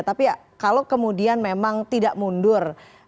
tapi kalau kemudian memang tidak mundur